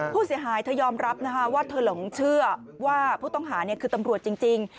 ผู้เสียหายเธอยอมรับนะคะว่าเธอหลงเชื่อว่าผู้ต้องหาคือตำรวจจริง